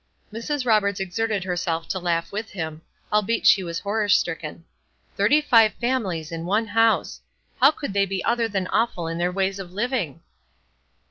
Mrs. Roberts exerted herself to laugh with him, albeit she was horror stricken. Thirty five families in one house! How could they be other than awful in their ways of living?